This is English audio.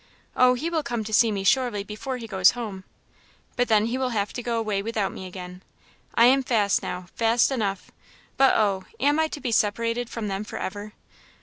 Oh, he will come to see me surely before he goes home! but then he will have to go away without me again I am fast now, fast enough but oh! am I to be separated from them for ever!